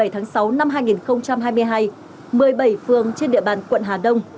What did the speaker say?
một mươi tháng sáu năm hai nghìn hai mươi hai một mươi bảy phường trên địa bàn quận hà đông